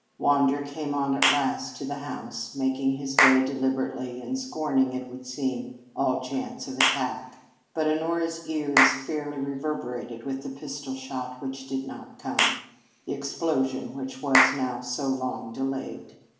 Wander came on at last to the house, making his way deliberately and scorning, it would seem, all chance of attack. But Honora's ears fairly reverberated with the pistol shot which did not come; the explosion which was now so long delayed.